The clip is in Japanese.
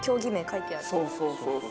そうそう。